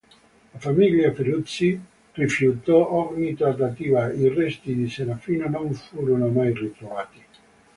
La famiglia Ferruzzi rifiutò ogni trattativa, i resti di Serafino non furono mai ritrovati.